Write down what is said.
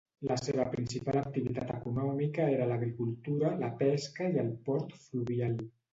La seva principal activitat econòmica era l'agricultura, la pesca i el port fluvial.